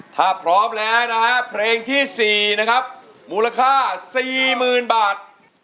ถ้าพร้อมแล้วนะฮะเพลงที่๔นะครับมูลค่า๔๐๐๐บาท